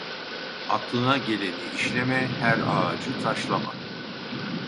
Aklına geleni işleme, her ağacı taşlama.